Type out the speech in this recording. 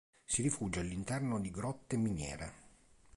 Si rifugia all'interno di grotte e miniere.